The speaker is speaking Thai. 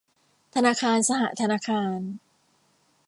ธนาคารสหธนาคาร